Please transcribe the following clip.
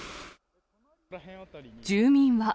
住民は。